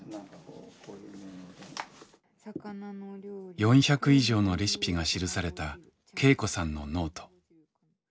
４００以上のレシピが記された恵子さんのノート。